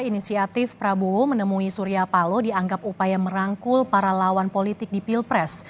inisiatif prabowo menemui surya palo dianggap upaya merangkul para lawan politik di pilpres